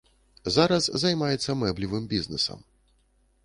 Зараз займаецца мэблевым бізнэсам.